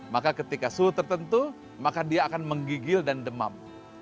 maka ketika suhu tertentu maka dia akan menggigil dan demam